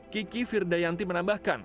kiki firdayanti menambahkan